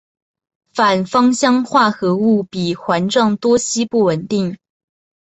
反芳香化合物比环状多烯不稳定。